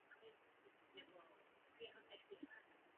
Během bojů hrál zásadní roli a proto je tento odboj pojmenován po něm.